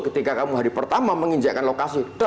ketika kamu hari pertama menginjakkan lokasi